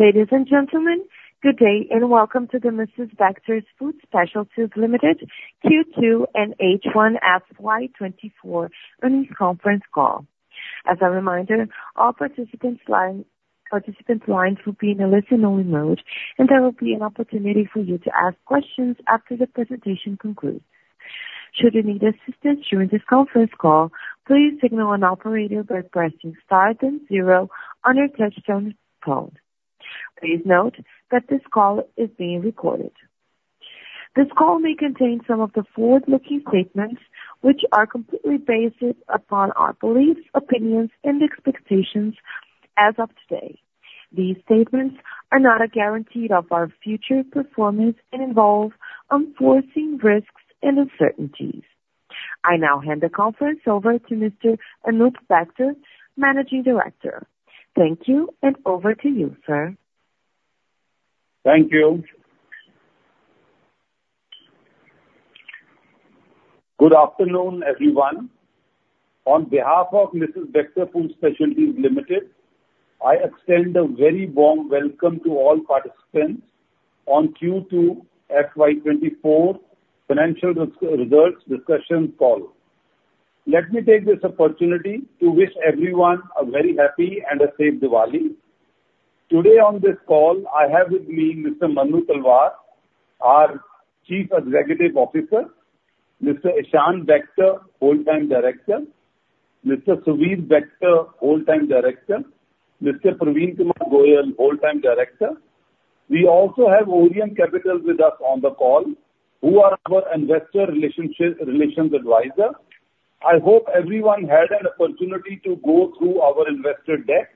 Ladies and gentlemen, good day and welcome to the Mrs. Bectors Food Specialities Limited Q2 and H1 FY24 an Earnings Conference Call. As a reminder, all participants' lines will be in a listen-only mode, and there will be an opportunity for you to ask questions after the presentation concludes. Should you need assistance during this conference call, please signal an operator by pressing star and zero on your touch-tone phone. Please note that this call is being recorded. This call may contain some of the forward-looking statements which are completely based upon our beliefs, opinions, and expectations as of today. These statements are not a guarantee of our future performance and involve unforeseen risks and uncertainties. I now hand the conference over to Mr. Anoop Bector, Managing Director. Thank you, and over to you, sir. Thank you. Good afternoon, everyone. On behalf of Mrs. Bectors Food Specialities Limited, I extend a very warm welcome to all participants on Q2 FY 2024 financial results discussion call. Let me take this opportunity to wish everyone a very happy and a safe Diwali. Today on this call, I have with me Mr. Manu Talwar, our Chief Executive Officer. Mr. Ishaan Bector, Whole Time Director. Mr. Suvir Bector, Whole Time Director. Mr. Parveen Kumar Goel, Whole Time Director. We also have Orient Capital with us on the call, who are our investor relations advisor. I hope everyone had an opportunity to go through our investor deck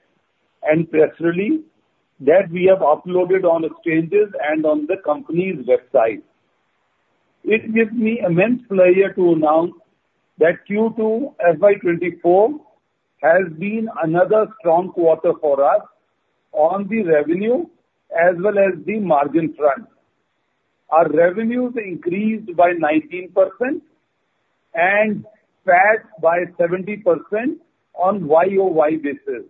and press release that we have uploaded on exchanges and on the company's website. It gives me immense pleasure to announce that Q2 FY24 has been another strong quarter for us on the revenue as well as the margin front. Our revenues increased by 19% and EBITDA by 70% on YOY basis.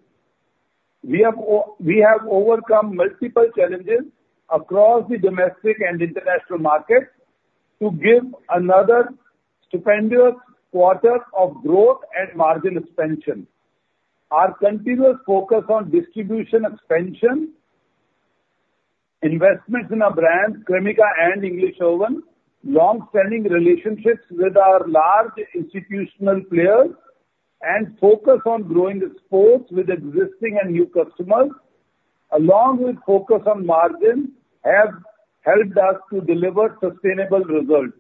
We have overcome multiple challenges across the domestic and international markets to give another stupendous quarter of growth and margin expansion. Our continuous focus on distribution expansion, investments in our brands, Cremica and English Oven, long-standing relationships with our large institutional players, and focus on growing the share with existing and new customers, along with focus on margin, have helped us to deliver sustainable results.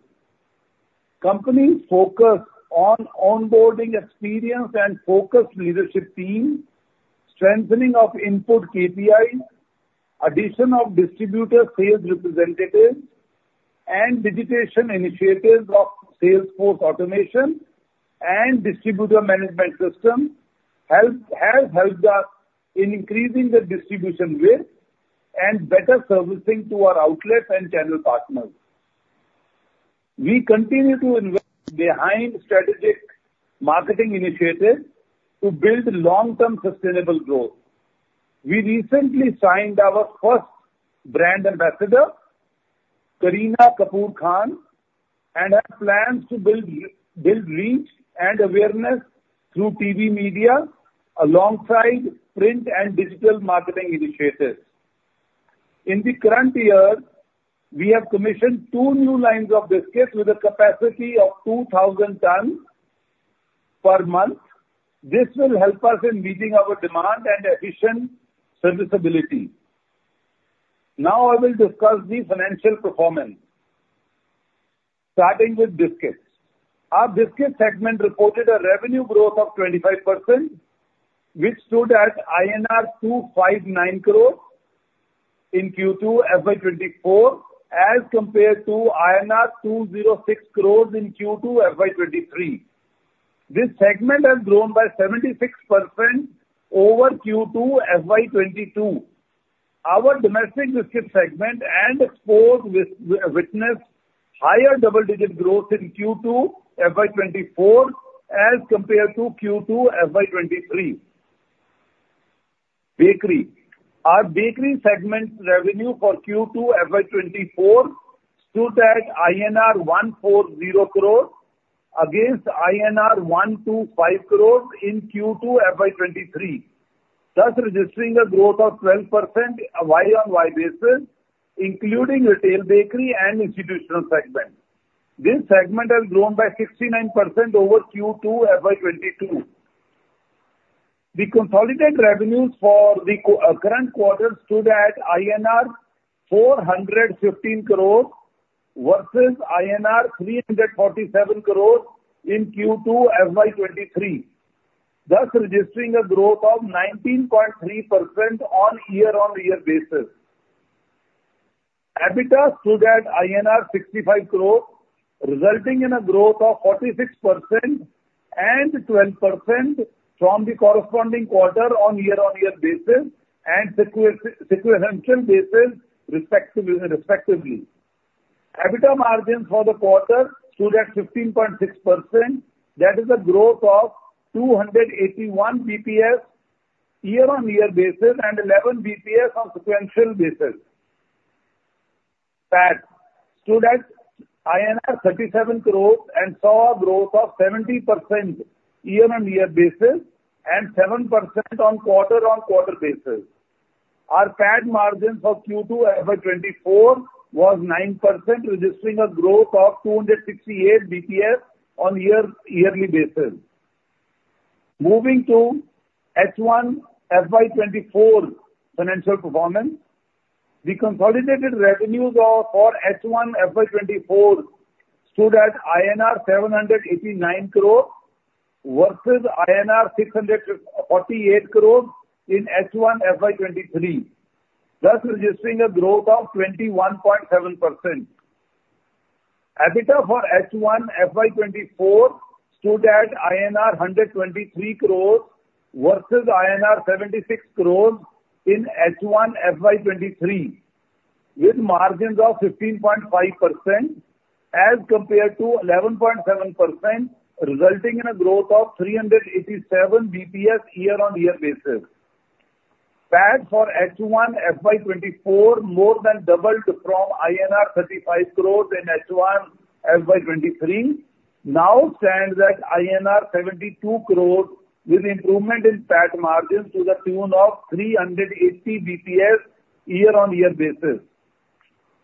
Company's focus on onboarding experience and focused leadership teams, strengthening of our KPIs, addition of distributor sales representatives, and digitization initiatives of Salesforce automation and distributor management systems have helped us in increasing the distribution reach and better servicing to our outlets and channel partners. We continue to invest behind strategic marketing initiatives to build long-term sustainable growth. We recently signed our first brand ambassador, Kareena Kapoor Khan, and have plans to build reach and awareness through TV media alongside print and digital marketing initiatives. In the current year, we have commissioned two new lines of biscuits with a capacity of 2,000 tons per month. This will help us in meeting our demand and efficient serviceability. Now I will discuss the financial performance, starting with biscuits. Our biscuit segment reported a revenue growth of 25%, which stood at INR 259 crores in Q2 FY 2024 as compared to INR 206 crores in Q2 FY 2023. This segment has grown by 76% over Q2 FY 2022. Our domestic biscuit segment and exports witnessed higher double-digit growth in Q2 FY 2024 as compared to Q2 FY 2023. Bakery: Our bakery segment revenue for Q2 FY 2024 stood at INR 140 crores against INR 125 crores in Q2 FY 2023, thus registering a growth of 12% YOY basis, including retail bakery and institutional segment. This segment has grown by 69% over Q2 FY 2022. The consolidated revenues for the current quarter stood at INR 415 crores versus INR 347 crores in Q2 FY 2023, thus registering a growth of 19.3% on year-on-year basis. EBITDA stood at INR 65 crores, resulting in a growth of 46% and 12% from the corresponding quarter on year-on-year basis and sequential basis, respectively. EBITDA margins for the quarter stood at 15.6%. That is a growth of 281 basis points year-on-year basis and 11 basis points on sequential basis. PAT stood at INR 37 crores and saw a growth of 70% year-on-year basis and 7% on quarter-on-quarter basis. Our PAT margins for Q2 FY 2024 were 9%, registering a growth of 268 basis points on yearly basis. Moving to H1 FY 2024 financial performance, the consolidated revenues for H1 FY 2024 stood at INR 789 crores versus INR 648 crores in H1 FY 2023, thus registering a growth of 21.7%. EBITDA for H1 FY 2024 stood at INR 123 crores versus INR 76 crores in H1 FY 2023, with margins of 15.5% as compared to 11.7%, resulting in a growth of 387 basis points year-on-year basis. PAT for H1 FY 2024 more than doubled from INR 35 crores in H1 FY 2023, now stands at INR 72 crores with improvement in PAT margins to the tune of 380 basis points year-on-year basis.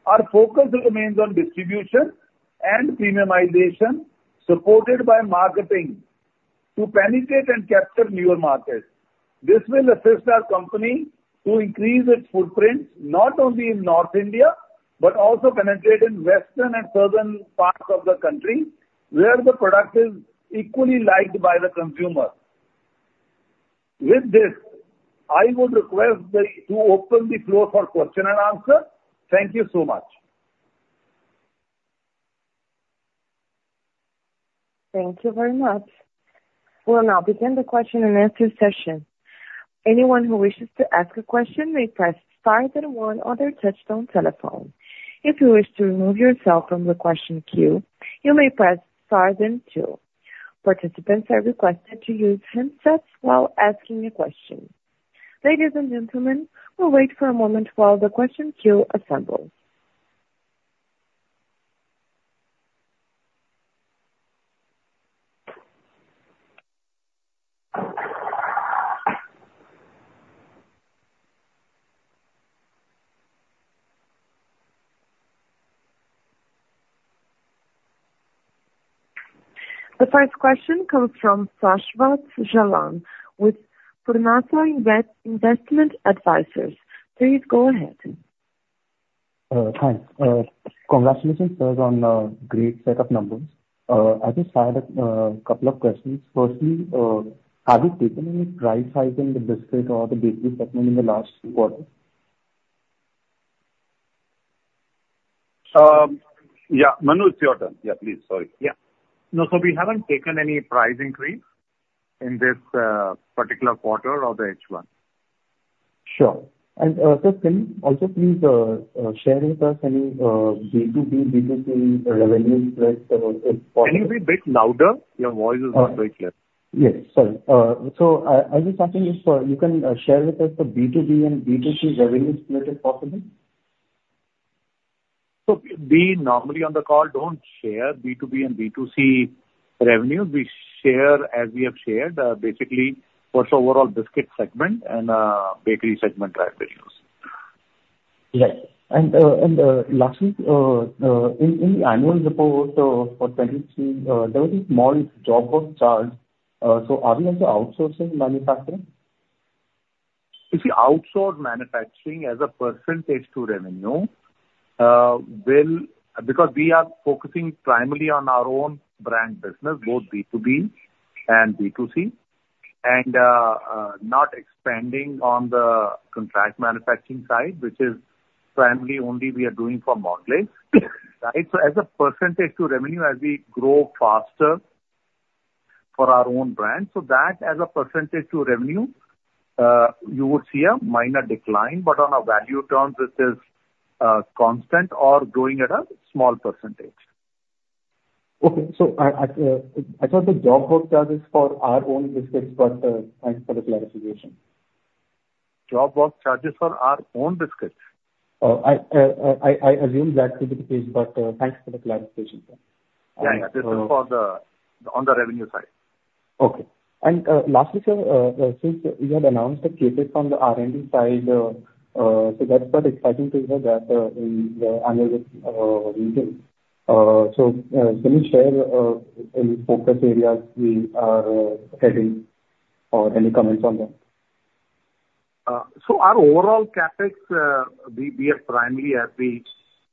Our focus remains on distribution and premiumization, supported by marketing, to penetrate and capture newer markets. This will assist our company to increase its footprint not only in North India but also penetrate in western and southern parts of the country where the product is equally liked by the consumer. With this, I would request to open the floor for question and answer. Thank you so much. Thank you very much. We'll now begin the question and answer session. Anyone who wishes to ask a question may press star then one on their touch phone. If you wish to remove yourself from the question queue, you may press star then two. Participants are requested to use headsets while asking a question. Ladies and gentlemen, we'll wait for a moment while the question queue assembles. The first question comes from Sashwat Jalan with Purnartha Investment Advisors. Please go ahead. Hi. Congratulations, sir, on a great set of numbers. I just had a couple of questions. Firstly, have you taken any price hikes in the biscuit or the bakery segment in the last quarter? Yeah. Manu, it's your turn. Yeah, please. Sorry. Yeah. No, so we haven't taken any price increase in this particular quarter of the H1. Sure. And sir, can you also please share with us any B2B, B2C revenue split if possible? Can you be a bit louder? Your voice is not very clear. Yes. Sorry. So I was just asking if you can share with us the B2B and B2C revenue split, if possible. We normally, on the call, don't share B2B and B2C revenue. We share as we have shared, basically, for the overall biscuit segment and bakery segment revenues. Yes. And lastly, in the annual report for 2023, there was a small job work charge. So are we also outsourcing manufacturing? You see, outsourced manufacturing as a percentage to revenue will because we are focusing primarily on our own brand business, both B2B and B2C, and not expanding on the contract manufacturing side, which is primarily only we are doing for Mondelez. Right? So as a percentage to revenue, as we grow faster for our own brand, so that as a percentage to revenue, you would see a minor decline. But on a value term, this is constant or growing at a small percentage. Okay. So I thought the job work charge is for our own biscuits, but thanks for the clarification. Job growth charges for our own biscuits? Oh, I assumed that could be the case, but thanks for the clarification. Yeah. This is on the revenue side. Okay. And lastly, sir, since you had announced the capex on the R&D side, so that's quite exciting to hear that in the annual meeting. So can you share any focus areas we are heading or any comments on them? So our overall Capex, we are primarily as we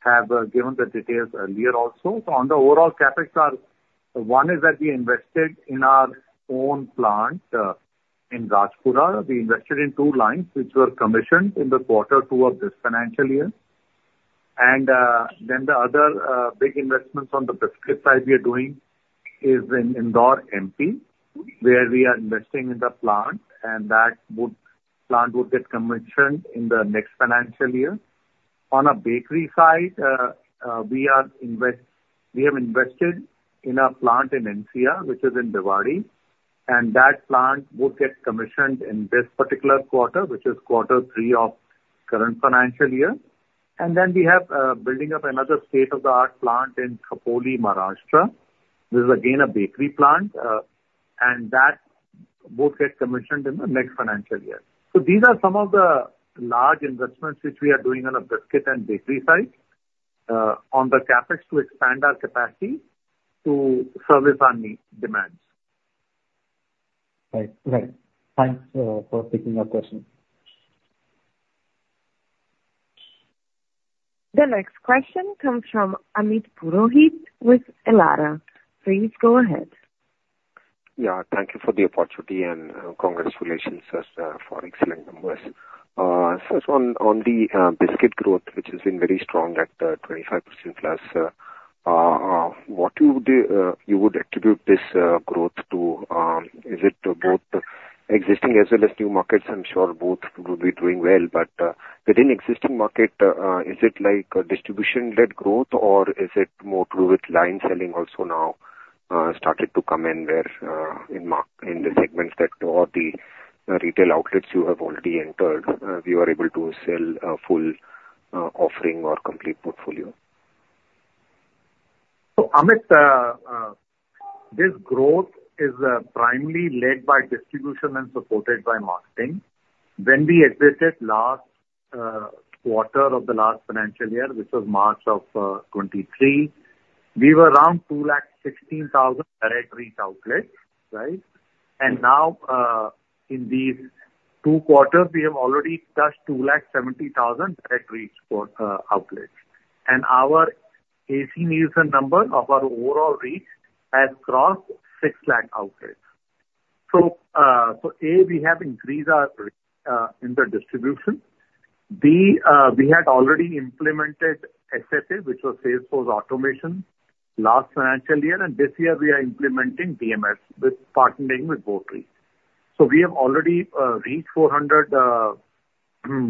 have given the details earlier also. So on the overall Capex, one is that we invested in our own plant in Rajpura. We invested in two lines which were commissioned in the quarter two of this financial year. And then the other big investments on the biscuit side we are doing is in Indore, MP, where we are investing in the plant, and that plant would get commissioned in the next financial year. On a bakery side, we have invested in a plant in NCR, which is in Bhiwadi, and that plant would get commissioned in this particular quarter, which is quarter three of current financial year. And then we have building up another state-of-the-art plant in Khopoli, Maharashtra. This is, again, a bakery plant, and that would get commissioned in the next financial year. These are some of the large investments which we are doing on the biscuit and bakery side on the Capex to expand our capacity to service our need demands. Right. Right. Thanks for taking our question. The next question comes from Amit Purohit with Elara Capital. Please go ahead. Yeah. Thank you for the opportunity, and congratulations, sir, for excellent numbers. Sir, on the biscuit growth, which has been very strong at 25%+, what would you attribute this growth to? Is it both existing as well as new markets? I'm sure both would be doing well. But within existing market, is it distribution-led growth, or is it more through width-line selling also now started to come in there in the segments that all the retail outlets you have already entered, we were able to sell a full offering or complete portfolio? So Amit, this growth is primarily led by distribution and supported by marketing. When we exited last quarter of the last financial year, which was March of 2023, we were around 216,000 direct reach outlets. Right? And now in these two quarters, we have already touched 270,000 direct reach outlets. And our ACV and number of our overall reach has crossed 6,000,000 outlets. So A, we have increased our reach in the distribution. B, we had already implemented SFA, which was sales force automation, last financial year. And this year, we are implementing DMS with partnering with Botree. So we have already reached 400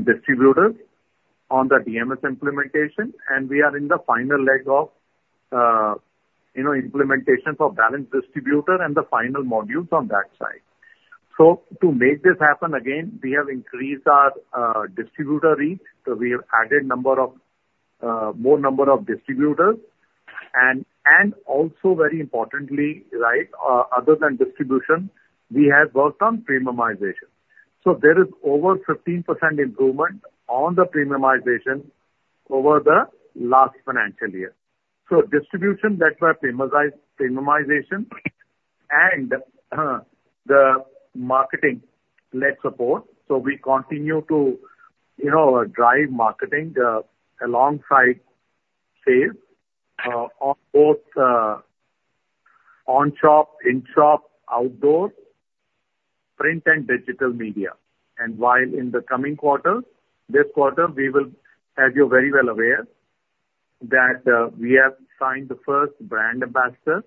distributors on the DMS implementation, and we are in the final leg of implementation for balance distributor and the final modules on that side. So to make this happen again, we have increased our distributor reach. So we have added more number of distributors. And also, very importantly, right, other than distribution, we have worked on premiumization. So there is over 15% improvement on the premiumization over the last financial year. So distribution led by premiumization and the marketing-led support. So we continue to drive marketing alongside sales on both on-shop, in-shop, outdoor, print, and digital media. And while in the coming quarter, this quarter, we will, as you're very well aware, that we have signed the first brand ambassador,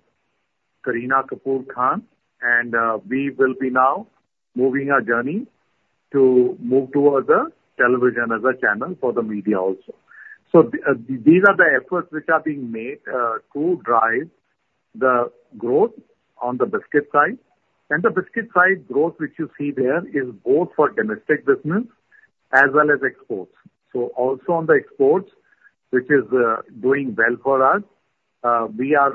Kareena Kapoor Khan. And we will be now moving our journey to move towards a television as a channel for the media also. So these are the efforts which are being made to drive the growth on the biscuit side. And the biscuit side growth which you see there is both for domestic business as well as exports. So also on the exports, which is doing well for us, we are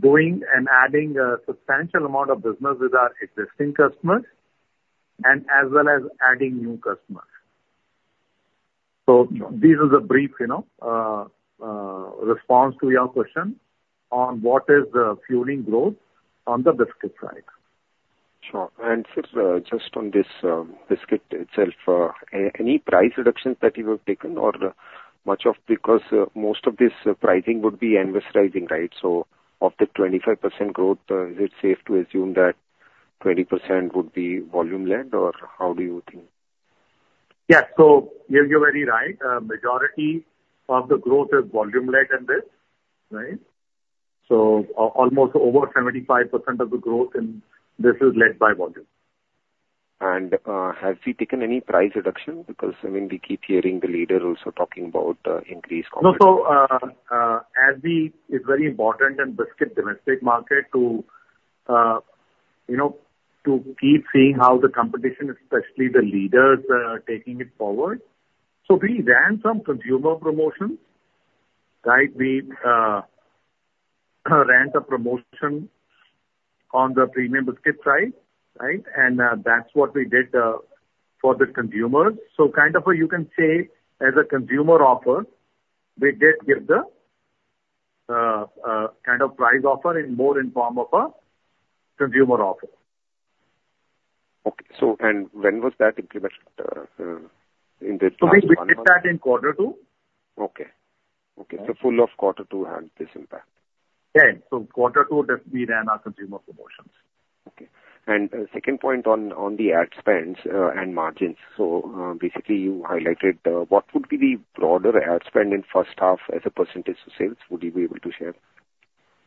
doing and adding a substantial amount of business with our existing customers and as well as adding new customers. So this is a brief response to your question on what is the fueling growth on the biscuit side. Sure. And sir, just on this biscuit itself, any price reductions that you have taken or much of because most of this pricing would be annualizing, right? So of the 25% growth, is it safe to assume that 20% would be volume-led, or how do you think? Yeah. So you're very right. Majority of the growth is volume-led in this. Right? So almost over 75% of the growth in this is led by volume. Have we taken any price reduction? Because, I mean, we keep hearing the leader also talking about increased competition. No, so as we, it's very important in biscuit domestic market to keep seeing how the competition, especially the leaders, are taking it forward. So we ran some consumer promotions. Right? We ran a promotion on the premium biscuit side. Right? And that's what we did for the consumers. So kind of a, you can say, as a consumer offer, we did give the kind of price offer in more, in form of a consumer offer. Okay. And when was that implemented in the last one month? We did that in quarter two. Okay. Okay. So, Q2 had this impact. Yeah. So quarter two, we ran our consumer promotions. Okay. Second point on the ad spends and margins. Basically, you highlighted what would be the broader ad spend in first half as a percentage to sales. Would you be able to share?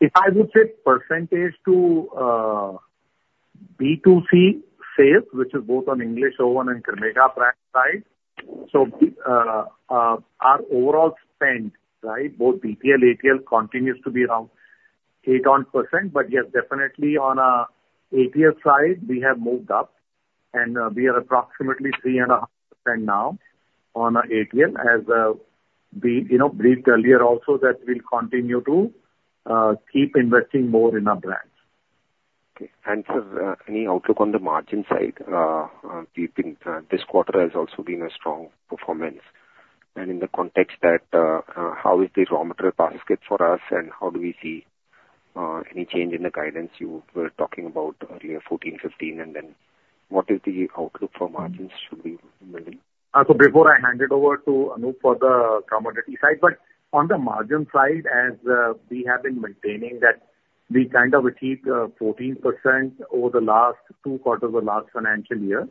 If I would say percentage to B2C sales, which is both on English Oven and Cremica brand side, so our overall spend, right, both BTL, ATL continues to be around 8%-10%. But yes, definitely on ATL side, we have moved up, and we are approximately 3.5% now on ATL as we briefed earlier also that we'll continue to keep investing more in our brands. Okay. And sir, any outlook on the margin side? This quarter has also been a strong performance. And in the context that, how is the raw material basket for us, and how do we see any change in the guidance you were talking about earlier, 14%-15%? And then what is the outlook for margins? Should we be building? So before I hand it over to Anoop for the commodity side, but on the margin side, as we have been maintaining that we kind of achieved 14% over the last two quarters of the last financial year.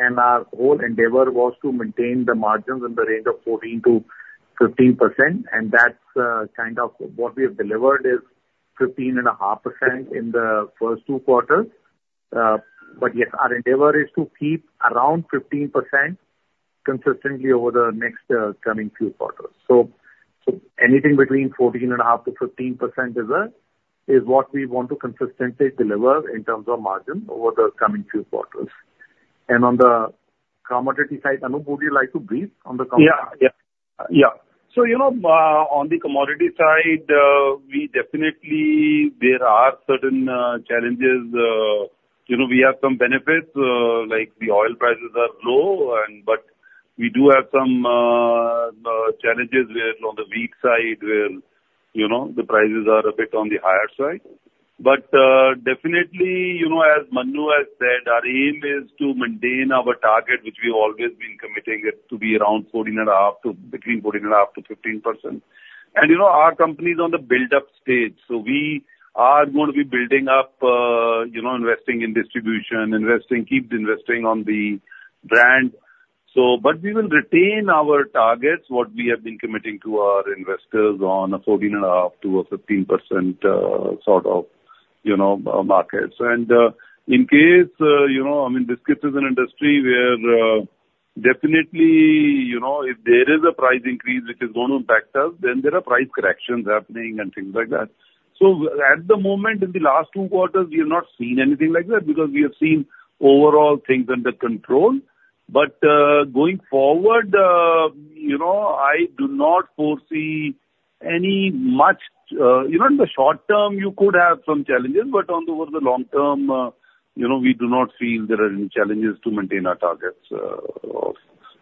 Our whole endeavor was to maintain the margins in the range of 14%-15%. And that's kind of what we have delivered is 15.5% in the first two quarters. But yes, our endeavor is to keep around 15% consistently over the next coming few quarters. So anything between 14.5%-15% is what we want to consistently deliver in terms of margin over the coming few quarters. And on the commodity side, Anoop, would you like to brief on the commodity side? Yeah. Yeah. Yeah. So on the commodity side, we definitely there are certain challenges. We have some benefits, like the oil prices are low, but we do have some challenges on the wheat side where the prices are a bit on the higher side. But definitely, as Manu has said, our aim is to maintain our target, which we've always been committing to be around 14.5% to between 14.5%-15%. And our company is on the buildup stage. So we are going to be building up, investing in distribution, keep investing on the brand. But we will retain our targets, what we have been committing to our investors on a 14.5%-15% sort of markets. In case I mean, biscuit is an industry where definitely if there is a price increase which is going to impact us, then there are price corrections happening and things like that. So at the moment, in the last two quarters, we have not seen anything like that because we have seen overall things under control. But going forward, I do not foresee any much in the short term, you could have some challenges, but over the long term, we do not feel there are any challenges to maintain our targets of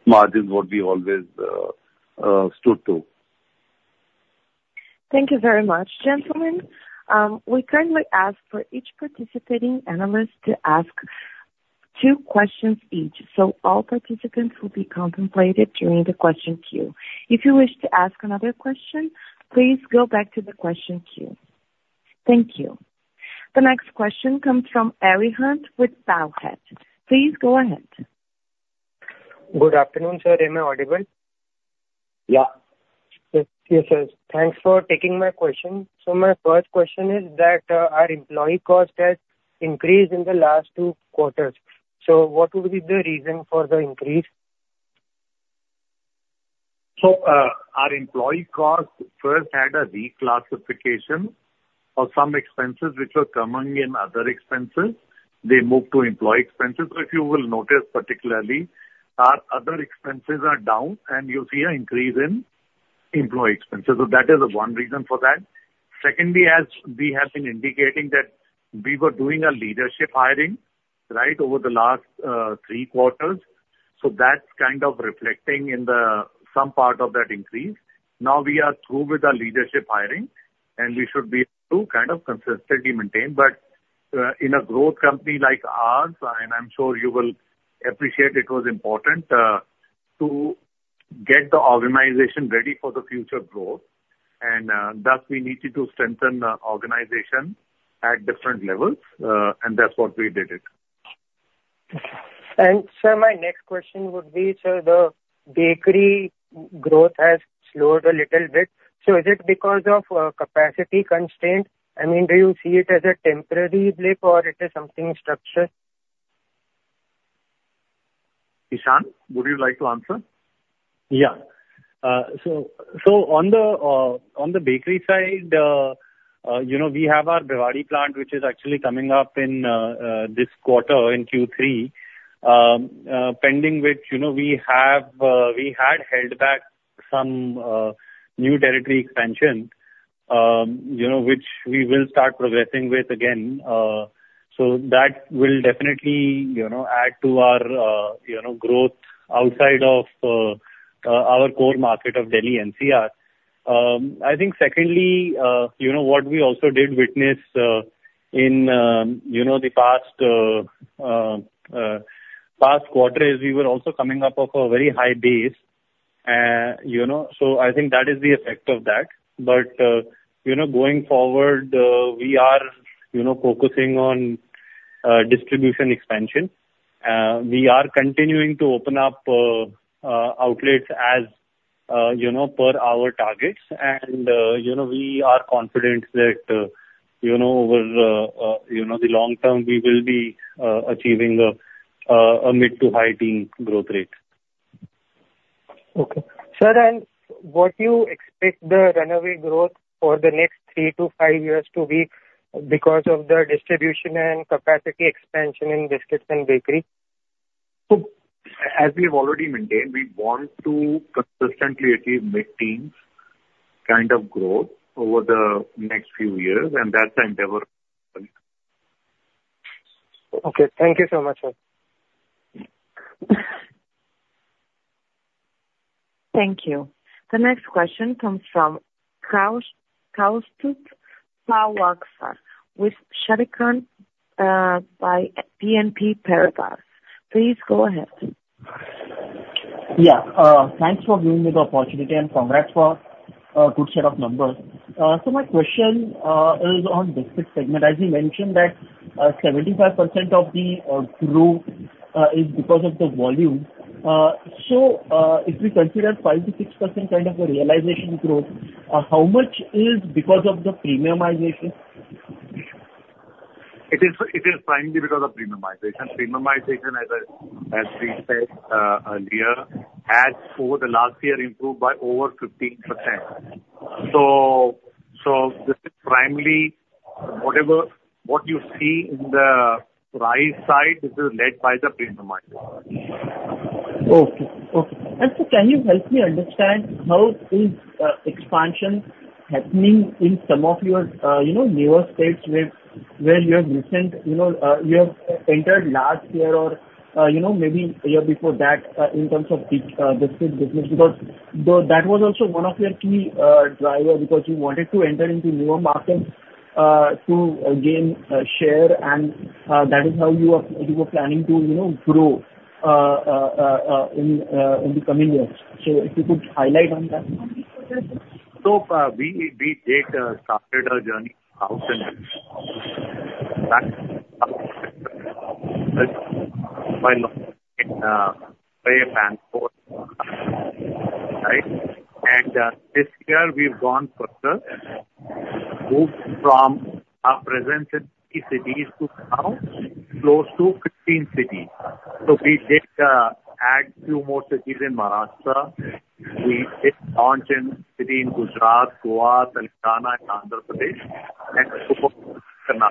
margins, what we always stood to. Thank you very much, gentlemen. We kindly ask for each participating analyst to ask two questions each. So all participants will be accommodated during the question queue. If you wish to ask another question, please go back to the question queue. Thank you. The next question comes from Arihant with Arihant Capital Markets. Please go ahead. Good afternoon, sir. Am I audible? Yeah. Yes, sir. Thanks for taking my question. So my first question is that our employee cost has increased in the last two quarters. So what would be the reason for the increase? So our employee cost first had a reclassification of some expenses which were coming in other expenses. They moved to employee expenses. So if you will notice, particularly, our other expenses are down, and you see an increase in employee expenses. So that is one reason for that. Secondly, as we have been indicating that we were doing a leadership hiring, right, over the last three quarters, so that's kind of reflecting in some part of that increase. Now we are through with the leadership hiring, and we should be able to kind of consistently maintain. But in a growth company like ours, and I'm sure you will appreciate it was important to get the organization ready for the future growth. And thus, we needed to strengthen the organization at different levels, and that's what we did. Okay. And sir, my next question would be, sir, the bakery growth has slowed a little bit. So is it because of capacity constraint? I mean, do you see it as a temporary blip, or it is something structural? Ishan, would you like to answer? Yeah. So on the bakery side, we have our Bhiwadi plant, which is actually coming up in this quarter in Q3, pending which we had held back some new territory expansion, which we will start progressing with again. So that will definitely add to our growth outside of our core market of Delhi NCR. I think secondly, what we also did witness in the past quarter is we were also coming up off a very high base. So I think that is the effect of that. But going forward, we are focusing on distribution expansion. We are continuing to open up outlets per our targets. And we are confident that over the long term, we will be achieving a mid- to high-teen growth rate. Okay. Sir, and what do you expect the runaway growth for the next three to five years to be because of the distribution and capacity expansion in biscuits and bakery? So as we have already maintained, we want to consistently achieve mid-teens kind of growth over the next few years. That's our endeavor. Okay. Thank you so much, sir. Thank you. The next question comes from Kaustubh Pawaskar with Sharekhan by BNP Paribas. Please go ahead. Yeah. Thanks for giving me the opportunity, and congrats for a good set of numbers. So my question is on biscuit segment. As you mentioned that 75% of the growth is because of the volume. So if we consider 5%-6% kind of the realization growth, how much is because of the premiumization? It is primarily because of premiumization. Premiumization, as we said earlier, has over the last year improved by over 15%. So this is primarily what you see in the price side. This is led by the premiumization. Okay. Okay. Sir, can you help me understand how expansion is happening in some of your newer states where you have recently entered last year or maybe a year before that in terms of biscuit business? Because that was also one of your key drivers because you wanted to enter into newer markets to gain share, and that is how you were planning to grow in the coming years. If you could highlight on that. So we did started our journey out by looking into B2B transport. Right? And this year, we've gone further, moved from our presence in three cities to now close to 15 cities. So we did add a few more cities in Maharashtra. We did launch a city in Gujarat, Goa, Tamil Nadu, and Andhra Pradesh, and Karnataka.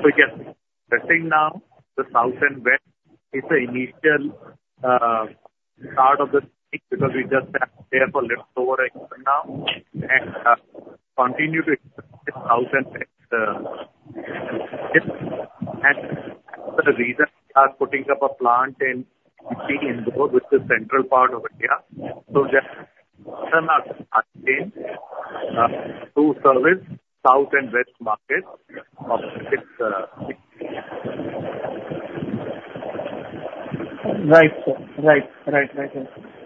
So yes, we're pressing now the south and west. It's an initial start of the city because we just have therefore left over now and continue to expand south and west. And the reason we are putting up a plant in Indore, which is the central part of India, so just to serve south and west markets of biscuits. Right, sir. Right, right, right,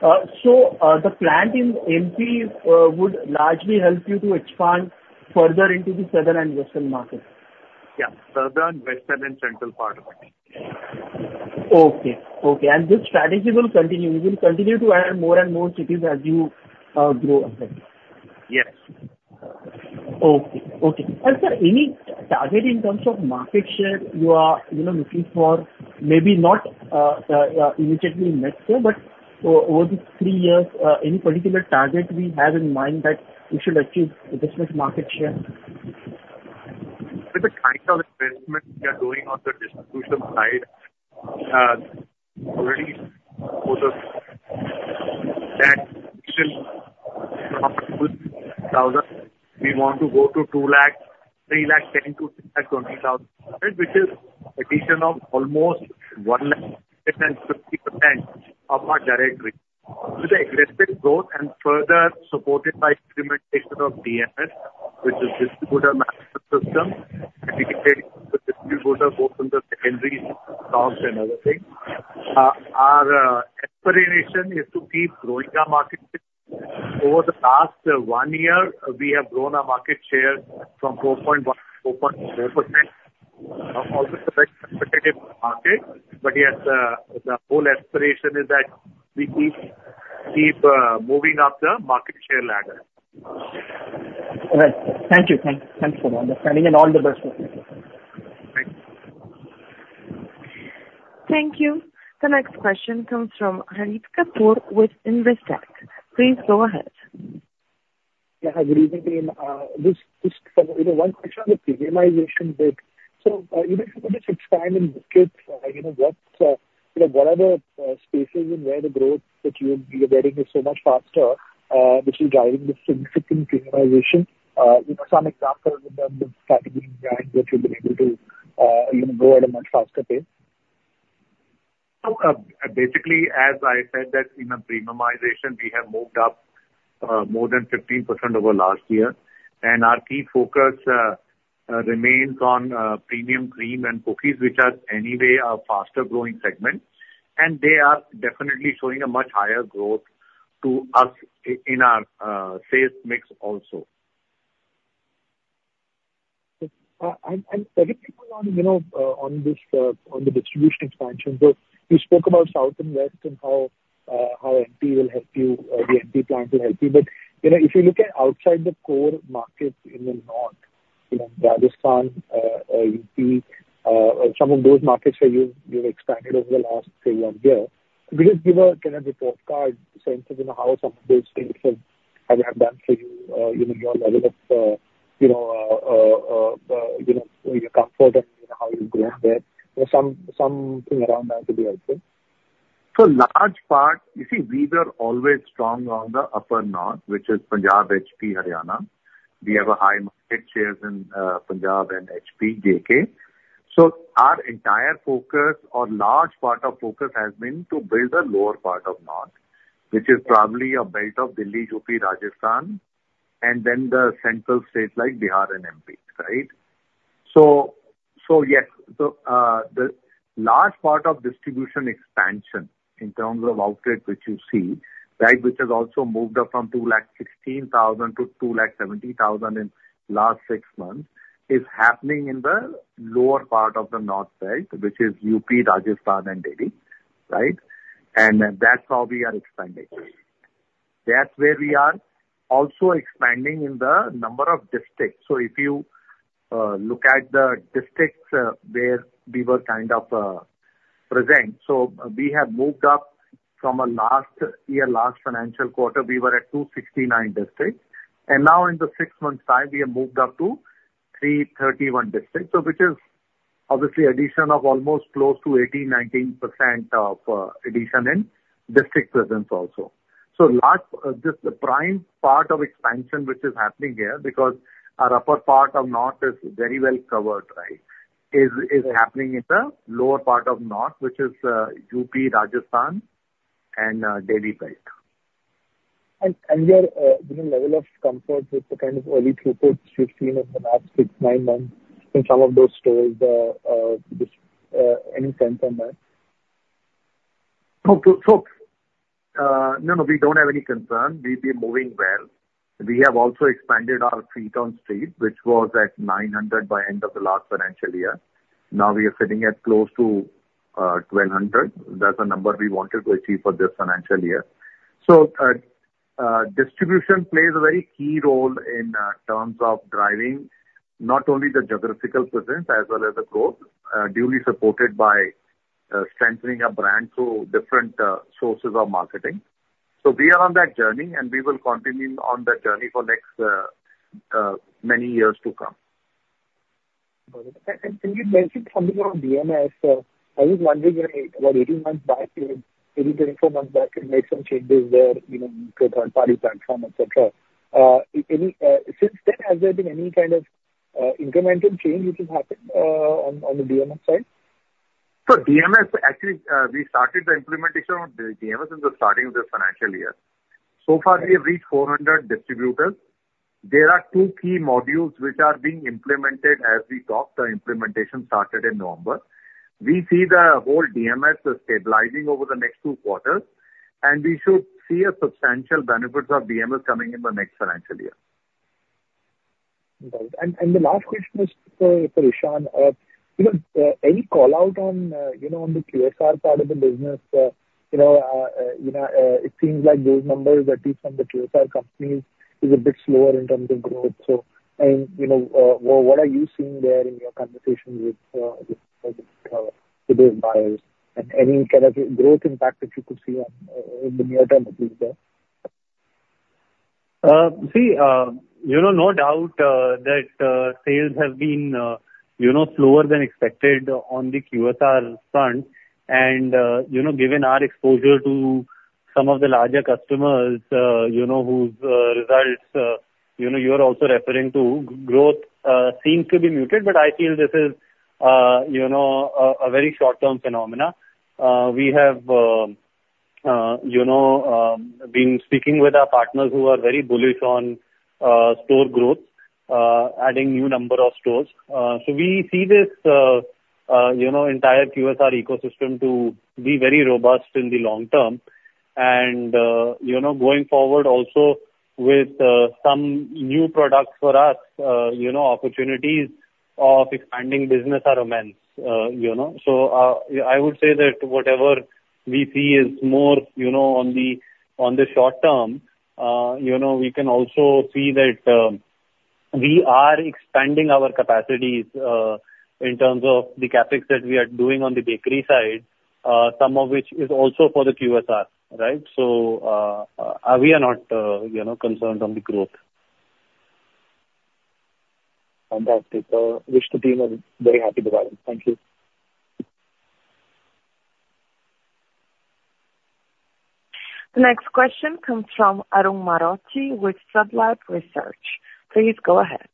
sir. So the plant in MP would largely help you to expand further into the southern and western markets. Yeah. Southern, western, and central part of India. Okay. Okay. And this strategy will continue. You will continue to add more and more cities as you grow ahead. Yes. Okay. Okay. Sir, any target in terms of market share you are looking for, maybe not immediately next year, but over these three years, any particular target we have in mind that we should achieve this much market share? With the kind of investment we are doing on the distribution side, already for that we will be profitable. We want to go to 3,010 to 3,020,000, which is addition of almost 150% of our territory with aggressive growth and further supported by implementation of DMS, which is distributor management system, dedicated to distributor both in the secondary stocks and other things. Our aspiration is to keep growing our market share. Over the last one year, we have grown our market share from 4.1%-4.4%. Always a very competitive market. But yes, the whole aspiration is that we keep moving up the market share ladder. Right. Thank you. Thanks for understanding and all the best with you. Thank you. Thank you. The next question comes from Harit Kapoor with Investec. Please go ahead. Yeah. Good evening, team. Just one question on the premiumization bit. So even if you were to sub-segment in biscuits, what are the segments where the growth that you're getting is so much faster, which is driving this significant premiumization? Some examples in terms of strategies and brands that you've been able to grow at a much faster pace. So basically, as I said that in a premiumization, we have moved up more than 15% over last year. Our key focus remains on premium cream and cookies, which are anyway a faster-growing segment. They are definitely showing a much higher growth to us in our sales mix also. Everything on this on the distribution expansion. So you spoke about south and west and how MP will help you, the MP plant will help you. But if you look at outside the core markets in the north, Rajasthan, UP, some of those markets where you've expanded over the last, say, one year, could you just give us kind of report card sense of how some of those states have done for you, your level of your comfort and how you've grown there? Something around that would be helpful. So large part, you see, we were always strong on the upper north, which is Punjab, HP, Haryana. We have high market shares in Punjab and HP, JK. So our entire focus or large part of focus has been to build the lower part of north, which is probably a belt of Delhi, UP, Rajasthan, and then the central states like Bihar and MP, right? So yes. So the large part of distribution expansion in terms of outlet, which you see, right, which has also moved up from 216,000 to 270,000 in the last six months, is happening in the lower part of the north belt, which is UP, Rajasthan, and Delhi, right? And that's how we are expanding. That's where we are also expanding in the number of districts. So if you look at the districts where we were kind of present, so we have moved up from last year, last financial quarter, we were at 269 districts. And now in the six months' time, we have moved up to 331 districts, which is obviously addition of almost close to 18%-19% of addition in district presence also. So just the prime part of expansion, which is happening here because our upper part of north is very well covered, right, is happening in the lower part of north, which is UP, Rajasthan, and Delhi belt. Your level of comfort with the kind of early throughputs you've seen in the last 6-9 months in some of those stores, any sense on that? So no, no, we don't have any concern. We've been moving well. We have also expanded our feet on street, which was at 900 by the end of the last financial year. Now we are sitting at close to 1,200. That's a number we wanted to achieve for this financial year. So distribution plays a very key role in terms of driving not only the geographical presence as well as the growth, duly supported by strengthening our brand through different sources of marketing. So we are on that journey, and we will continue on that journey for next many years to come. Got it. And you mentioned something about DMS. I was wondering about 18 months back, maybe 24 months back, you had made some changes there, third-party platform, etc. Since then, has there been any kind of incremental change which has happened on the DMS side? DMS, actually, we started the implementation of DMS in the starting of this financial year. So far, we have reached 400 distributors. There are two key modules which are being implemented as we talk. The implementation started in November. We see the whole DMS stabilizing over the next two quarters. And we should see substantial benefits of DMS coming in the next financial year. Got it. The last question is for Ishan. Any callout on the QSR part of the business? It seems like those numbers, at least from the QSR companies, are a bit slower in terms of growth. So I mean, what are you seeing there in your conversations with today's buyers? And any kind of growth impact that you could see in the near term, at least there? See, no doubt that sales have been slower than expected on the QSR front. Given our exposure to some of the larger customers whose results you are also referring to, growth seems to be muted. I feel this is a very short-term phenomenon. We have been speaking with our partners who are very bullish on store growth, adding a new number of stores. We see this entire QSR ecosystem to be very robust in the long term. Going forward, also, with some new products for us, opportunities of expanding business are immense. I would say that whatever we see is more on the short term, we can also see that we are expanding our capacities in terms of the Capex that we are doing on the bakery side, some of which is also for the QSR, right? We are not concerned on the growth. Fantastic. Which the team is very happy to welcome. Thank you. The next question comes from Varun Marothi with Floodlight Research. Please go ahead.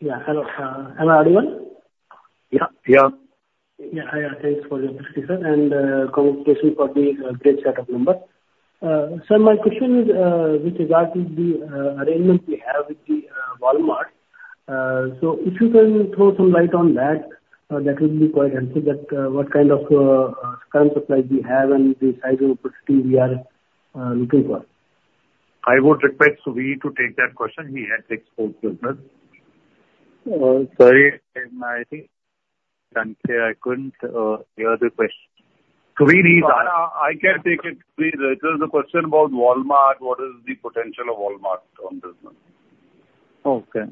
Yeah. Hello. Am I Arun? Yeah. Yeah. Yeah. Hi, yeah. Thanks for your time, sir, and congratulations for the great set of numbers. Sir, my question is with regard to the arrangement we have with Walmart. So if you can throw some light on that, that would be quite helpful, what kind of current supplies we have and the size of opportunities we are looking for. I would request Suvir to take that question. He has export business. Sorry, I think I couldn't hear the question. Suvir needs answer. Yeah. I can take it. Suvir, it was a question about Walmart. What is the potential of Walmart on business? Okay.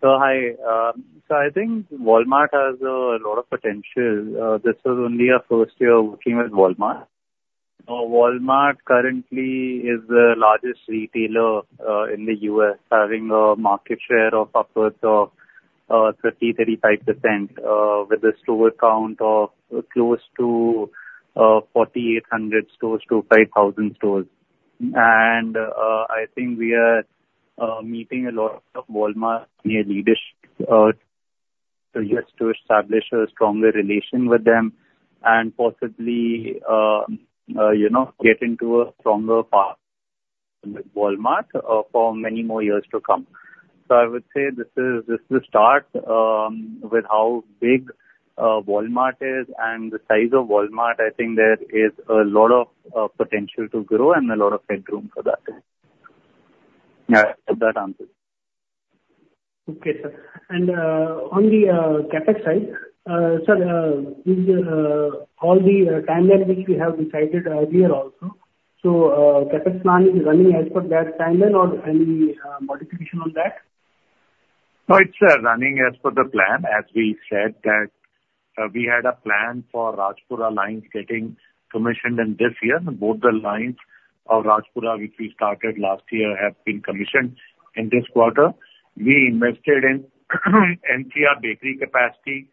So hi. So I think Walmart has a lot of potential. This is only our first year working with Walmart. Walmart currently is the largest retailer in the U.S., having a market share of upwards of 30%-35% with a store count of close to 4,800-5,000 stores. And I think we are meeting a lot of Walmart near leadership just to establish a stronger relation with them and possibly get into a stronger path with Walmart for many more years to come. So I would say this is the start with how big Walmart is and the size of Walmart. I think there is a lot of potential to grow and a lot of headroom for that. That answers. Okay, sir. And on the CapEx side, sir, is all the timeline which we have decided earlier also so CapEx plan is running as per that timeline or any modification on that? So it's running as per the plan. As we said that we had a plan for Rajpura lines getting commissioned in this year. Both the lines of Rajpura, which we started last year, have been commissioned in this quarter. We invested in MTR bakery capacity,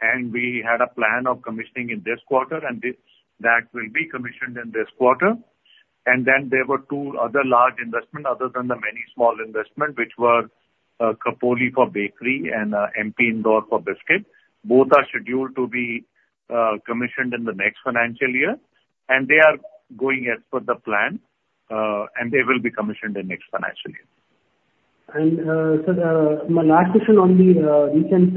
and we had a plan of commissioning in this quarter, and that will be commissioned in this quarter. And then there were two other large investments other than the many small investments, which were Khopoli for bakery and Indore for biscuit. Both are scheduled to be commissioned in the next financial year. And they are going as per the plan, and they will be commissioned in the next financial year. Sir, my last question on the recent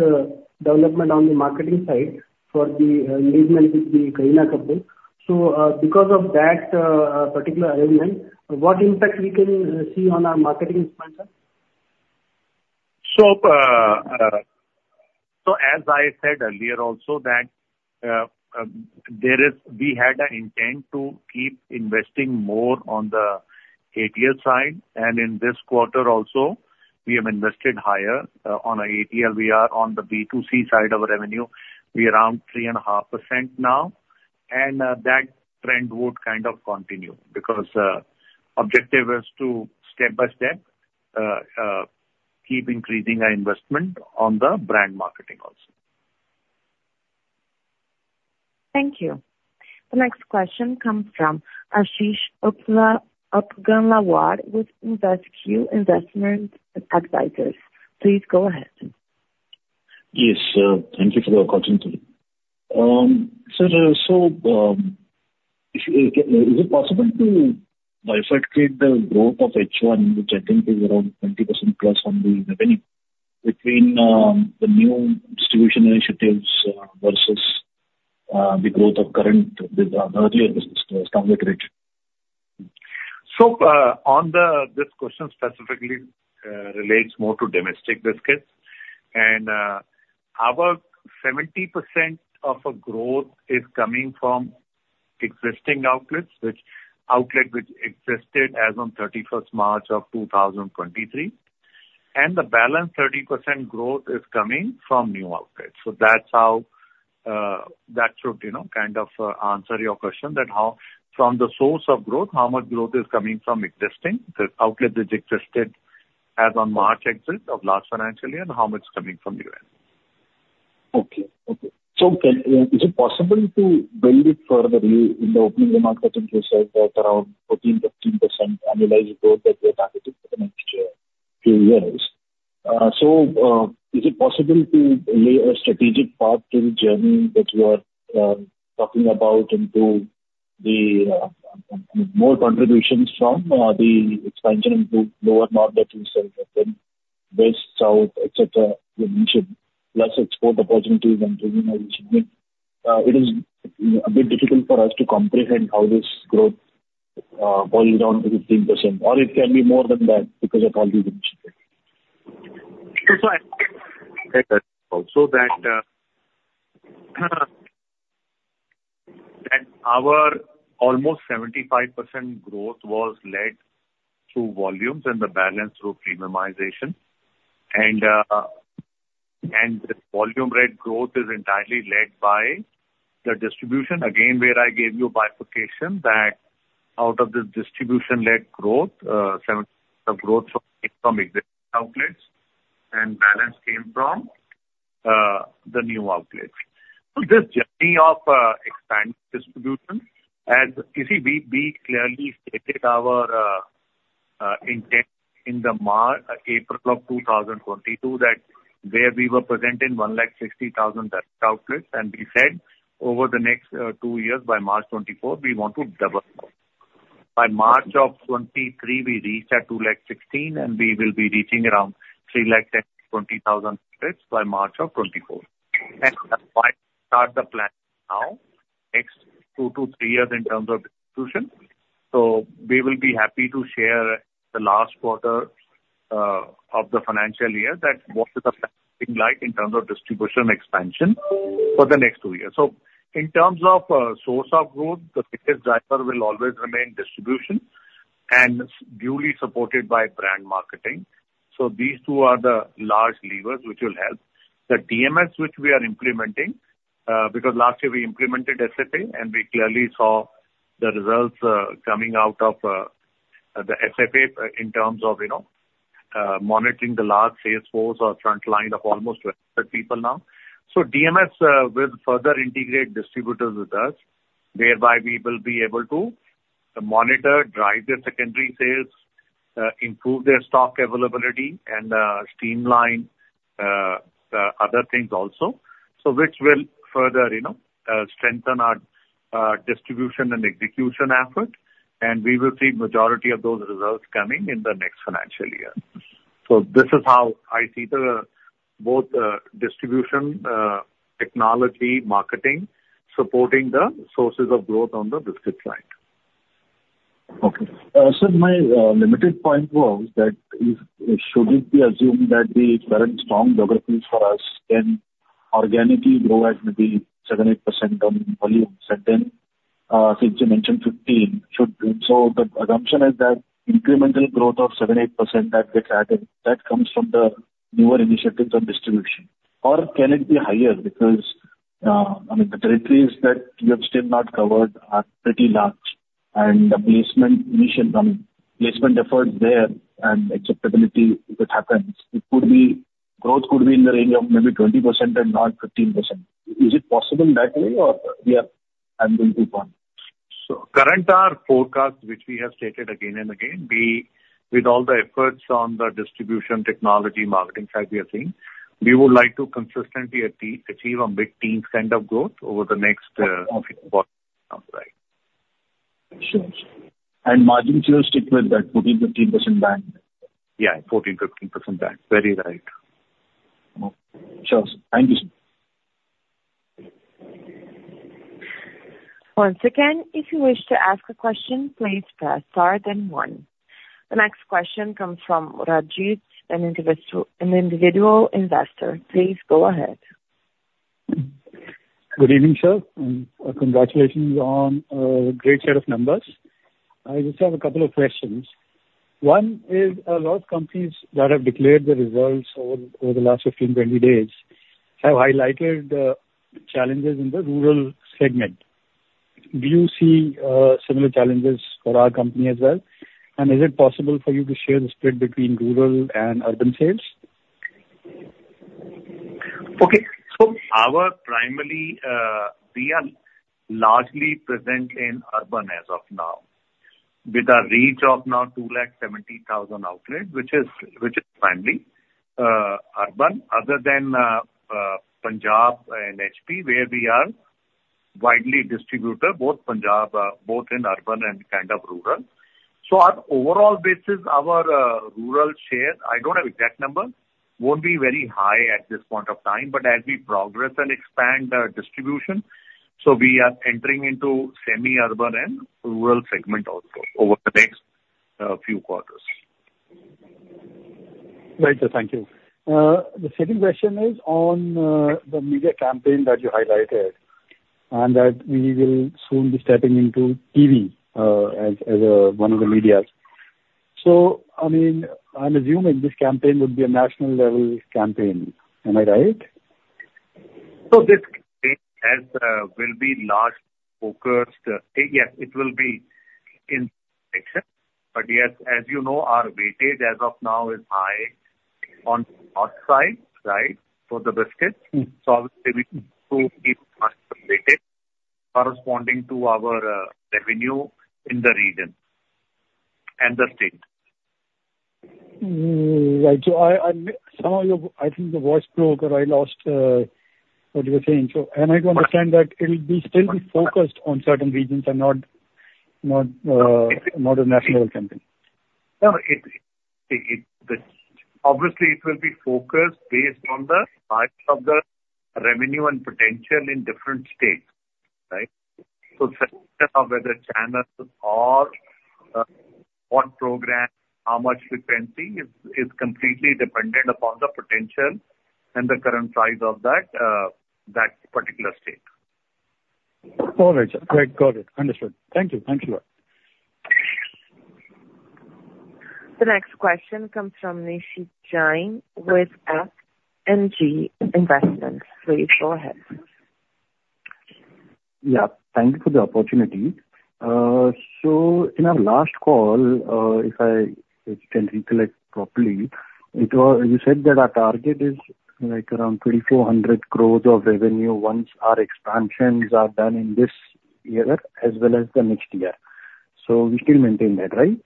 development on the marketing side for the engagement with Kareena Kapoor. Because of that particular arrangement, what impact we can see on our marketing expenses? So as I said earlier also, we had an intent to keep investing more on the ATL side. And in this quarter also, we have invested higher on ATL. We are on the B2C side of revenue. We are around 3.5% now. And that trend would kind of continue because the objective is to step by step keep increasing our investment on the brand marketing also. Thank you. The next question comes from Ashish Upganlawar with InvesQ Investment Advisors. Please go ahead. Yes. Thank you for the opportunity. Sir, so is it possible to bifurcate the growth of H1, which I think is around 20%+ on the revenue, between the new distribution initiatives versus the growth of current earlier business stores, currently created? This question specifically relates more to domestic biscuits. About 70% of the growth is coming from existing outlets, which existed as of 31st March of 2023. The balance 30% growth is coming from new outlets. That's how that should kind of answer your question that from the source of growth, how much growth is coming from existing outlets which existed as on March end of last financial year, and how much is coming from new ones. Okay. Okay. So is it possible to build it further in the opening remarks that you said that around 14%-15% annualized growth that we are targeting for the next few years? So is it possible to lay a strategic path to the journey that you are talking about into the more contributions from the expansion into lower north that you said and then west, south, etc., you mentioned, plus export opportunities and regionalization? I mean, it is a bit difficult for us to comprehend how this growth boils down to 15%. Or it can be more than that because of all these initiatives. That's right. Also that our almost 75% growth was led through volumes and the balance through premiumization. And volume-led growth is entirely led by the distribution, again, where I gave you bifurcation that out of this distribution-led growth, 70% of growth came from existing outlets and balance came from the new outlets. So this journey of expanding distribution, as you see, we clearly stated our intent in April of 2022 that where we were present in 160,000 direct outlets, and we said over the next two years, by March 2024, we want to double that. By March of 2023, we reached 216,000, and we will be reaching around 320,000 outlets by March of 2024. And that's why we start the plan now, next two to three years in terms of distribution. So we will be happy to share the last quarter of the financial year that what is the plan looking like in terms of distribution expansion for the next two years. So in terms of source of growth, the biggest driver will always remain distribution and duly supported by brand marketing. So these two are the large levers which will help. The DMS which we are implementing because last year, we implemented SFA, and we clearly saw the results coming out of the SFA in terms of monitoring the large sales force or front line of almost 200 people now. So DMS will further integrate distributors with us, whereby we will be able to monitor, drive their secondary sales, improve their stock availability, and streamline other things also, which will further strengthen our distribution and execution effort. We will see the majority of those results coming in the next financial year. This is how I see both distribution technology, marketing, supporting the sources of growth on the biscuit side. Okay. Sir, my limited point was that should it be assumed that the current strong geographies for us can organically grow at maybe 7%-8% on volumes and then, since you mentioned 15%, should. So the assumption is that incremental growth of 7%-8% that gets added, that comes from the newer initiatives on distribution. Or can it be higher because, I mean, the territories that you have still not covered are pretty large, and the placement efforts there and acceptability, if it happens, growth could be in the range of maybe 20% and not 15%? Is it possible that way, or we are handling too far? So, currently, our forecast, which we have stated again and again, with all the efforts on the distribution, technology, marketing side, we are seeing we would like to consistently achieve a mid-teens kind of growth over the next quarter. Sure. Margins too, stick with that 14%-15% band. Yeah, 14%-15% band. Very right. Okay. Sure. Thank you, sir. Once again, if you wish to ask a question, please press star then one. The next question comes from Rajit, an individual investor. Please go ahead. Good evening, sir. Congratulations on a great set of numbers. I just have a couple of questions. One is a lot of companies that have declared the results over the last 15, 20 days have highlighted challenges in the rural segment. Do you see similar challenges for our company as well? Is it possible for you to share the split between rural and urban sales? Okay. So our primary, we are largely present in urban as of now with a reach of now 270,000 outlets, which is mainly urban other than Punjab and HP, where we are widely distributed, both in urban and kind of rural. So on overall basis, our rural share, I don't have exact numbers, won't be very high at this point of time. But as we progress and expand distribution, so we are entering into semi-urban and rural segment also over the next few quarters. Very good. Thank you. The second question is on the media campaign that you highlighted and that we will soon be stepping into TV as one of the medias. So, I mean, I'm assuming this campaign would be a national-level campaign. Am I right? So this campaign will be largely focused, yes, it will be in the states. But yes, as you know, our weightage as of now is high on the north side, right, for the biscuits. So obviously, we need to keep our weightage corresponding to our revenue in the region and the state. Right. So, some of your I think the voice broke, or I lost what you were saying. So, am I to understand that it will still be focused on certain regions and not a national campaign? No. Obviously, it will be focused based on the size of the revenue and potential in different states, right? So the set of whether channels or what program, how much frequency is completely dependent upon the potential and the current size of that particular state. All right, sir. Great. Got it. Understood. Thank you. Thank you very much. The next question comes from Nishi Jain with FNG Investments. Please go ahead. Yeah. Thank you for the opportunity. So in our last call, if I can recollect properly, you said that our target is around 2,400 crore of revenue once our expansions are done in this year as well as the next year. So we still maintain that, right?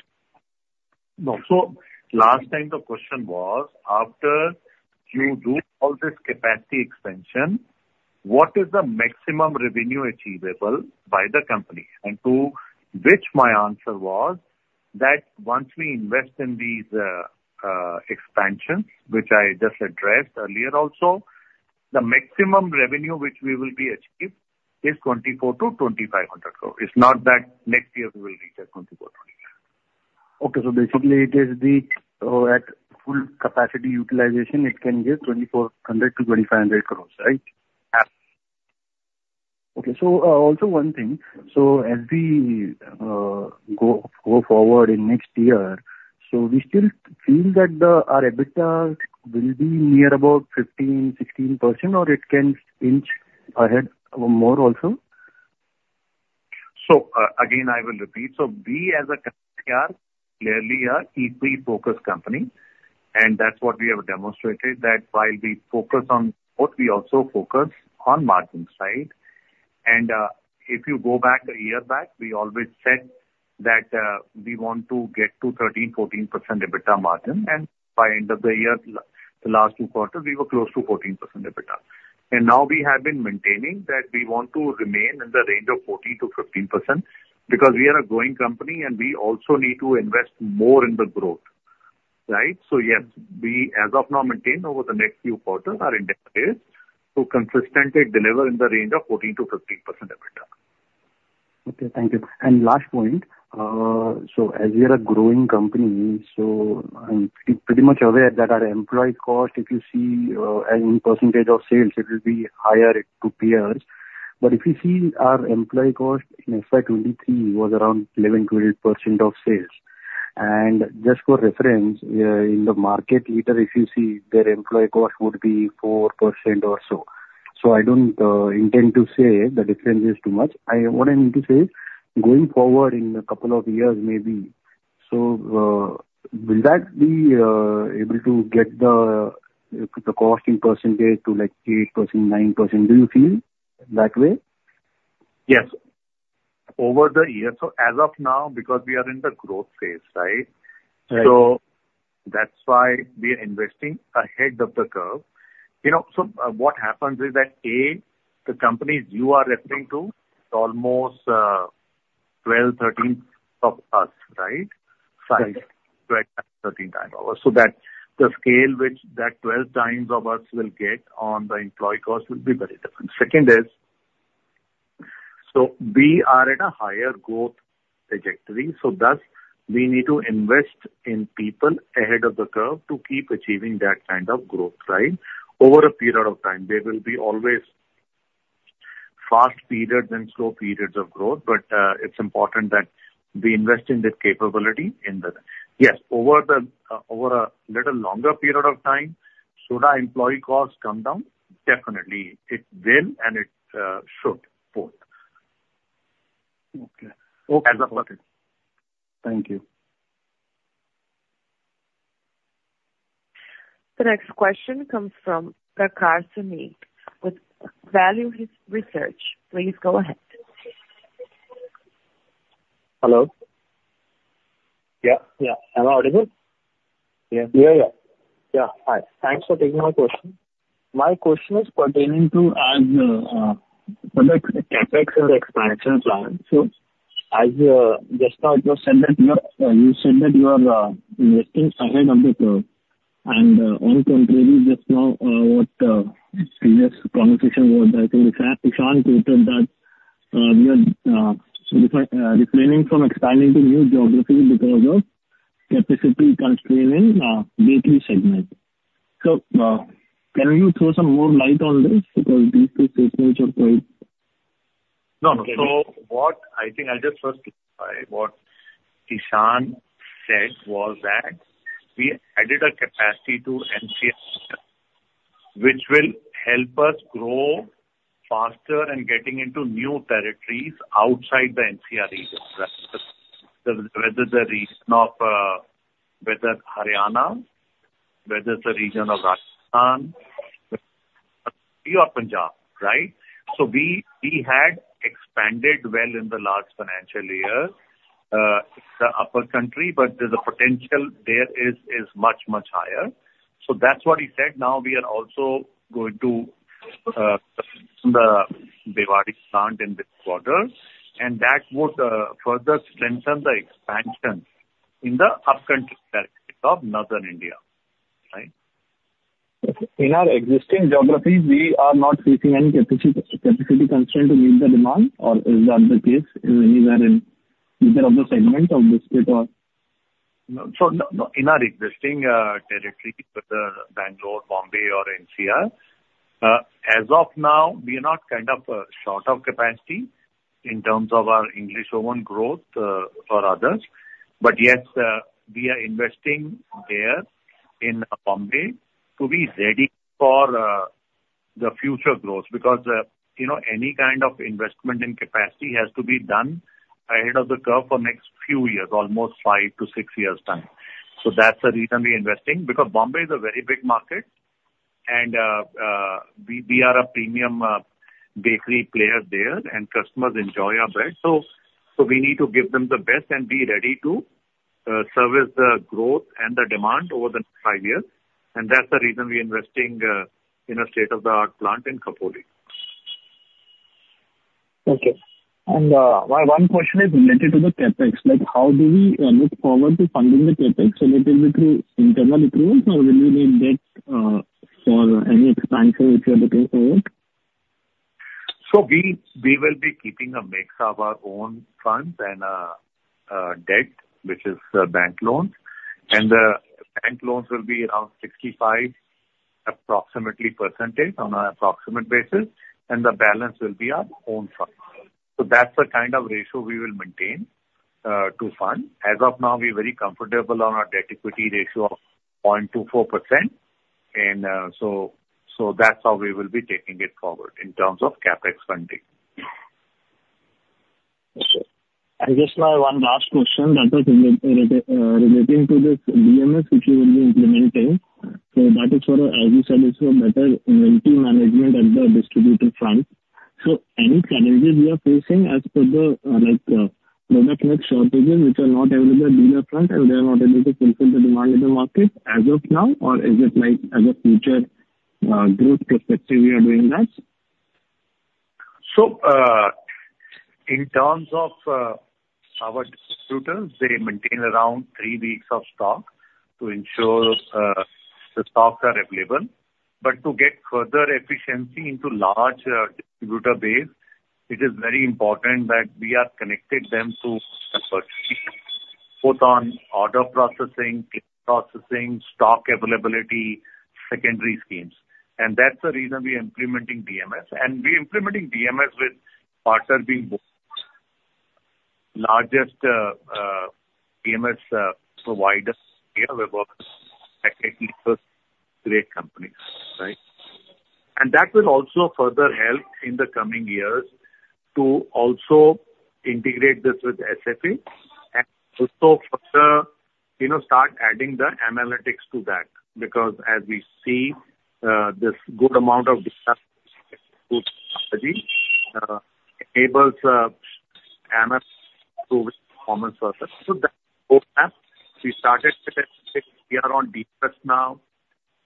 No. So last time, the question was, after you do all this capacity expansion, what is the maximum revenue achievable by the company? And to which my answer was that once we invest in these expansions, which I just addressed earlier also, the maximum revenue which we will be achieving is 2,400 crore-2,500 crore. It's not that next year, we will reach at 2,400 crore. Okay. So basically, it is the full capacity utilization it can give 2,400 crores-2,500 crores, right? Absolutely. Okay. Also one thing. As we go forward in next year, so we still feel that our EBITDA will be near about 15%-16%, or it can inch ahead more also? So again, I will repeat. So we, as a company, are clearly an EP focused company. And that's what we have demonstrated, that while we focus on what, we also focus on margin, right? And if you go back a year back, we always said that we want to get to 13%-14% EBITDA margin. And by end of the year, the last two quarters, we were close to 14% EBITDA. And now we have been maintaining that we want to remain in the range of 14%-15% EBITDA because we are a growing company, and we also need to invest more in the growth, right? So yes, we, as of now, maintain over the next few quarters our index rates to consistently deliver in the range of 14%-15% EBITDA. Okay. Thank you. And last point. So as we are a growing company, so I'm pretty much aware that our employee cost, if you see in percentage of sales, it will be higher to peers. But if you see our employee cost in FY 2023, it was around 11%-12% of sales. And just for reference, in the market leader, if you see their employee cost would be 4% or so. So I don't intend to say the difference is too much. What I mean to say is going forward in a couple of years, maybe. So will that be able to get the cost in percentage to 8%-9%? Do you feel that way? Yes. Over the years. So as of now, because we are in the growth phase, right? So that's why we are investing ahead of the curve. So what happens is that, A, the companies you are referring to, it's almost 12, 13 of us, right? 5-13x over. So the scale which that 12x of us will get on the employee cost will be very different. Second is, so we are at a higher growth trajectory. So thus, we need to invest in people ahead of the curve to keep achieving that kind of growth, right, over a period of time. There will be always fast periods and slow periods of growth, but it's important that we invest in that capability in the yes, over a little longer period of time; should our employee cost come down? Definitely. It will, and it should both. Okay. Okay. Thank you. The next question comes from Prakhar Sanadhya with Value Research. Please go ahead. Hello? Yeah. Yeah. Am I audible? Yeah. Yeah, yeah. Yeah. Hi. Thanks for taking my question. My question is pertaining to the CapEx and the expansion plan. So just now, it was said that you said that you are investing ahead of the curve. And on the contrary, just now, what previous conversation was, I think, Ishan quoted that we are refraining from expanding to new geographies because of capacity constraint in bakery segment. So can you throw some more light on this because these two statements are quite? No, no. So I think I'll just first clarify what Ishan said was that we added a capacity to NCR region, which will help us grow faster and getting into new territories outside the NCR region, whether it's the region of whether it's Haryana, whether it's the region of Rajasthan, or Punjab, right? So we had expanded well in the last financial year. It's the upcountry, but the potential there is much, much higher. So that's what he said. Now, we are also going to the Bhiwadi plant in this quarter. And that would further strengthen the expansion in the upcountry territory of northern India, right? In our existing geographies, we are not facing any capacity constraint to meet the demand, or is that the case in either of the segments of biscuit or? So no, no. In our existing territory, whether Bangalore, Bombay, or NCR, as of now, we are not kind of short of capacity in terms of our English Oven growth or others. But yes, we are investing there in Bombay to be ready for the future growth because any kind of investment in capacity has to be done ahead of the curve for next few years, almost five to six years' time. So that's the reason we are investing because Bombay is a very big market, and we are a premium bakery player there, and customers enjoy our bread. So we need to give them the best and be ready to service the growth and the demand over the next five years. And that's the reason we are investing in a state-of-the-art plant in Khopoli. Okay. My one question is related to the CapEx. How do we look forward to funding the CapEx? Will it be through internal accruals, or will we need debt for any expansion if you are looking forward? So we will be keeping a mix of our own funds and debt, which is bank loans. And the bank loans will be around 65% approximately on an approximate basis, and the balance will be our own funds. So that's the kind of ratio we will maintain to fund. As of now, we're very comfortable on our debt-to-equity ratio of 0.24%. And so that's how we will be taking it forward in terms of CapEx funding. Okay. I guess my one last question, that is relating to this DMS which you will be implementing. So that is for, as you said, it's for better inventory management at the distributor front. So any challenges we are facing as per the production shortages, which are not available at dealer front, and they are not able to fulfill the demand in the market as of now, or is it as a future growth perspective, we are doing that? So in terms of our distributors, they maintain around three weeks of stock to ensure the stocks are available. But to get further efficiency into large distributor bases, it is very important that we are connecting them to the purchasing, both on order processing, claims processing, stock availability, secondary schemes. And that's the reason we are implementing DMS. And we are implementing DMS with partner being largest DMS provider here. We're working with great companies, right? And that will also further help in the coming years to also integrate this with SFA and also further start adding the analytics to that because, as we see, this good amount of good strategy enables analytics to perform as well. So that's the roadmap we started. We are on DMS now.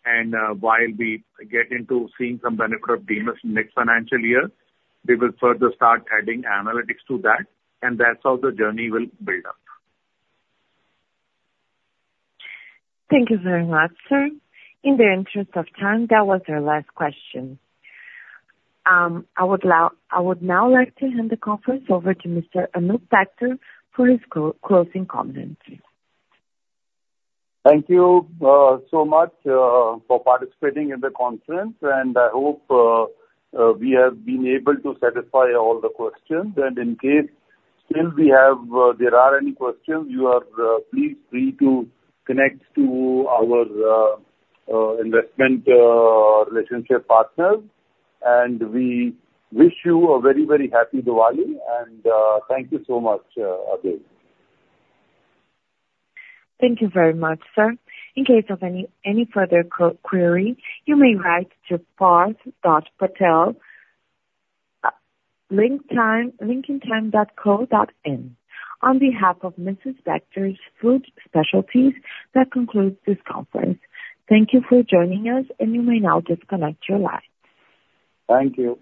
And while we get into seeing some benefit of DMS next financial year, we will further start adding analytics to that. That's how the journey will build up. Thank you very much, sir. In the interest of time, that was our last question. I would now like to hand the conference over to Mr. Anoop Bector for his closing comments. Thank you so much for participating in the conference. I hope we have been able to satisfy all the questions. In case still there are any questions, you are please free to connect to our investment relationship partners. We wish you a very, very happy Diwali. Thank you so much, Abhil. Thank you very much, sir. In case of any further query, you may write to paarth.patel@linkintime.co.in. On behalf of Mrs. Bectors Food Specialities, that concludes this conference. Thank you for joining us, and you may now disconnect your line. Thank you.